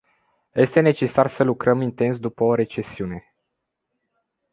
Este necesar să lucrăm intens după o recesiune.